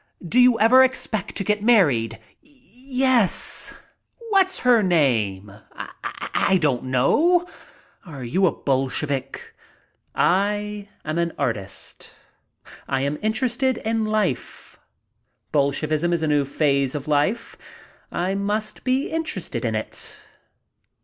"Do you ever expect to get married?" "Yes." "What's her name?" "I don't know." "Are you a Bolshevik?" "I am an artist. I am interested in life. Bolshevism is a new phase of life. I must be interested in it."